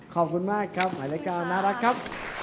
ขอบคุณมากครับใหม่เลข๙น่ารักครับ